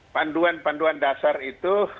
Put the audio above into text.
panduan panduan dasar itu